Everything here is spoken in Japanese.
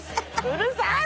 うるさい！